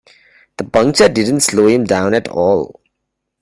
The puncture didn't slow him down at all.